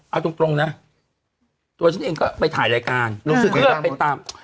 เอาตรงนะตัวฉันเองก็ไปถ่ายรายการรู้สึกเพื่อไปตาม